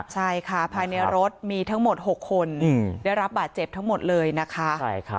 ใช่ค่ะภายในรถมีทั้งหมด๖คนได้รับบาดเจ็บทั้งหมดเลยนะคะ